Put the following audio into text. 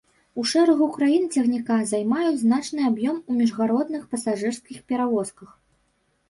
У шэрагу краін цягніка займаюць значны аб'ём у міжгародніх пасажырскіх перавозках.